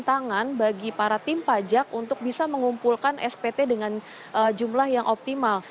tantangan bagi para tim pajak untuk bisa mengumpulkan spt dengan jumlah yang optimal